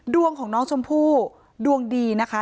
ดวงของน้องชมพู่ดวงดีนะคะ